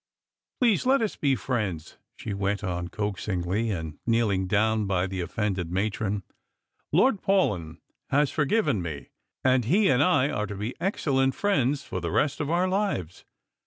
Please let us be friends," she went on, coaxingly, and kneeling down by the offended matron. " Lord Paulyn has for given me, and he and I are to be excellent friends for the rest of our lives.